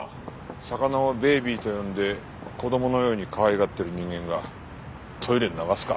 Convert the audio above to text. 魚をベイビーと呼んで子供のようにかわいがってる人間がトイレに流すか？